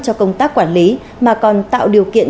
cho công tác quản lý mà còn tạo điều kiện